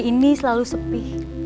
kedai ini selalu sepi